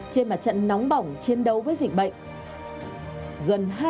trên mặt trận nóng bỏng chiến đấu với dịch bệnh